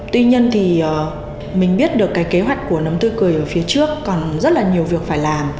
tuy nhiên thì mình biết được cái kế hoạch của nấm tư cười ở phía trước còn rất là nhiều việc phải làm